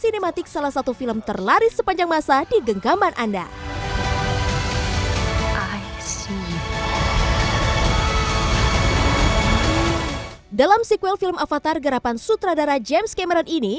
dalam sequel film avatar garapan sutradara james cameron ini